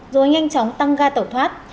rồi nhanh chóng tăng ga tẩu thoát